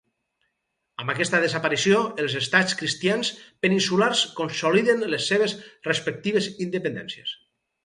Amb aquesta desaparició els estats cristians peninsulars consoliden les seves respectives independències.